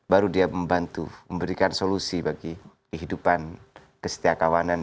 baru dia membantu memberikan solusi bagi kehidupan kesetiakawanan